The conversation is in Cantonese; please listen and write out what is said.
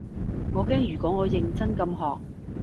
我驚如果我認真咁學